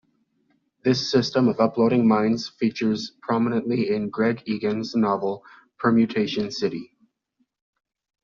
This system of uploading minds features prominently in Greg Egan's novel "Permutation City".